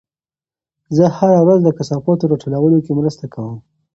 زه هره ورځ د کثافاتو راټولولو کې مرسته کوم.